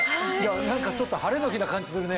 何かちょっとハレの日な感じするね。